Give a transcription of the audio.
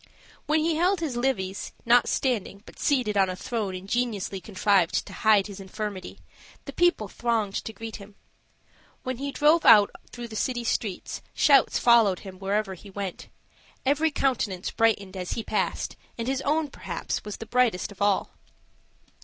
When he held his levees, not standing, but seated on a throne ingeniously contrived to hide his infirmity, the people thronged to greet him; when he drove out through the city streets, shouts followed him wherever he went every countenance brightened as he passed, and his own, perhaps, was the brightest of all.